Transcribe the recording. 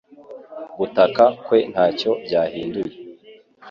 Gutaka kwe ntacyo byahinduye